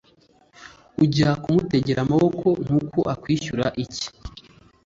Ujya kumutegera amaboko nuko akwishyura iki